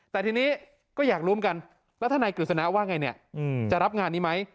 แต่ทีนี้ก็อยากรู้กันแล้วทนายกฤษณะว่าไงเนี่ยจะรับงานนี้ไหม